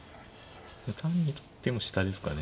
単に取っても下ですかね？